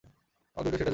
আমরা দুজনেই সেটা জানি।